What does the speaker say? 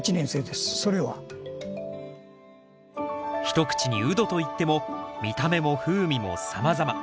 一口にウドといっても見た目も風味もさまざま。